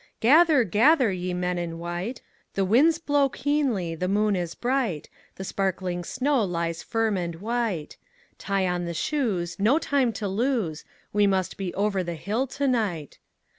Gather, gather, ye men in white; The winds blow keenly, the moon is bright, The sparkling snow lies firm and white; Tie on the shoes, no time to lose, We must be over the hill to night.